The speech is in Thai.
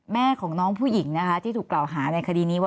แม่ของน้องผู้หญิงนะคะที่ถูกกล่าวหาในคดีนี้ว่า